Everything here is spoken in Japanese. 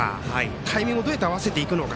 タイミングをどうやって合わせてくるのか。